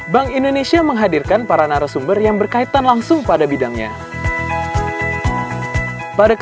bank indonesia menghadirkan para narasumber yang berkaitan langsung pada bidangnya